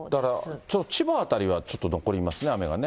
だから、千葉辺りはちょっと残りますね、雨がね。